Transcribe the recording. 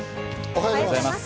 おはようございます。